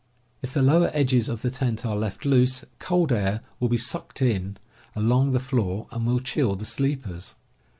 If the lower edges of the tent are left loose, cold air will be sucked in along the floor and will chill the sleepers.